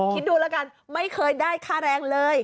คิดดูแล้วกันไม่เคยได้ค่าแรงเลย